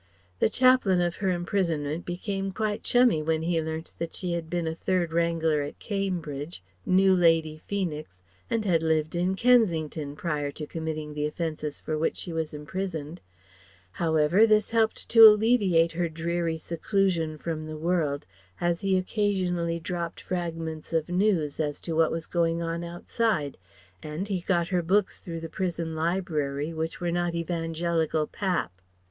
The chaplain of her imprisonment became quite chummy when he learnt that she had been a Third Wrangler at Cambridge, knew Lady Feenix, and had lived in Kensington prior to committing the offences for which she was imprisoned. However this helped to alleviate her dreary seclusion from the world as he occasionally dropped fragments of news as to what was going on outside, and he got her books through the prison library that were not evangelical pap.